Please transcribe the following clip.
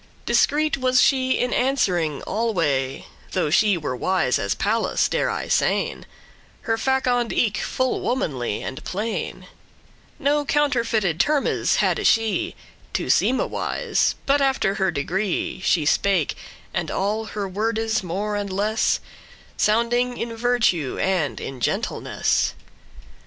*moderation Discreet she was in answering alway, Though she were wise as Pallas, dare I sayn; Her faconde* eke full womanly and plain, *speech <2> No counterfeited termes hadde she To seeme wise; but after her degree She spake, and all her worde's more and less Sounding in virtue and in gentleness.